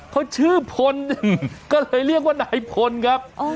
เขาชื่อพลก็เลยเรียกว่านายพลครับ